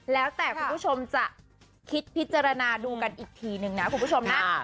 แล้วแต่คุณผู้ชมจะคิดพิจารณาดูกันอีกทีนึงนะคุณผู้ชมนะ